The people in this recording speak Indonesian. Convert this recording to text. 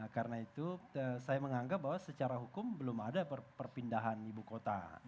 karena itu saya menganggap bahwa secara hukum belum ada perpindahan ibu kota